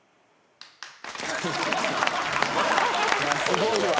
すごいわ。